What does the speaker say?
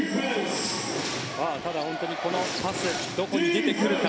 ただ、本当にこのパスどこに出てくるか。